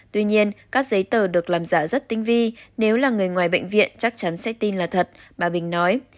tuy nhiên các giấy tờ được làm giả rất tinh vi nếu là người ngoài bệnh viện chắc chắn sẽ tin là thật bà bình nói